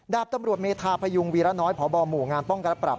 ดาบตำรวจเมธาพยุงวีระน้อยพบหมู่งานป้องกันและปรับ